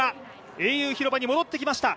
英雄広場に戻ってきました。